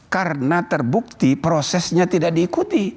karena terbukti prosesnya tidak diikuti